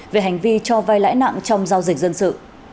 về hành vi cho vai lãi nặng trong giao dịch dân sự